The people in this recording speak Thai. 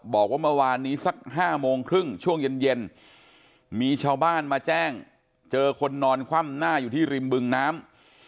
บอกว่าเมื่อวานนี้สัก๕โมงครึ่งช่วงเย็นมีชาวบ้านมาแจ้งเจอคนนอนคว่ำหน้าอยู่ที่ริมบึงน้ำ